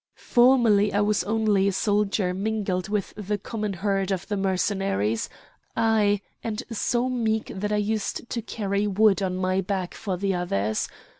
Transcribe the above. "Formerly I was only a soldier mingled with the common herd of the Mercenaries, ay, and so meek that I used to carry wood on my back for the others.